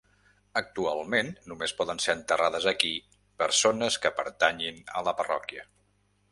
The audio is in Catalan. Actualment només poden ser enterrades aquí persones que pertanyin a la parròquia.